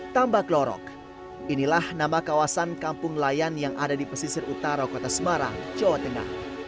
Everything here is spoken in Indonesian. tambak lorok inilah nama kawasan kampung layan yang ada di pesisir utara kota semarang jawa tengah